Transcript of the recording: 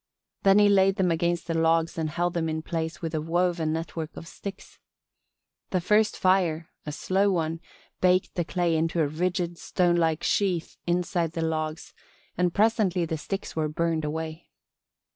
Then he laid them against the logs and held them in place with a woven network of sticks. The first fire a slow one baked the clay into a rigid stonelike sheath inside the logs and presently the sticks were burned away.